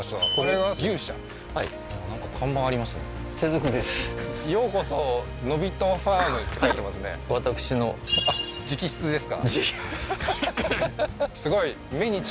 はいようこそのびとファームって書いてますね直筆ですか？